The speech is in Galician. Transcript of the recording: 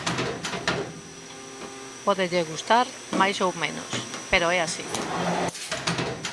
Pódelle gustar máis ou menos pero é así.